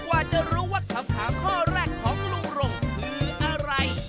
กลัวจะรู้ว่าคำขาวข้อแรกของลู่ลงคืออะไร